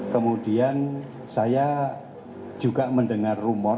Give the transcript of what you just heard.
kemudian saya juga mendengar rumor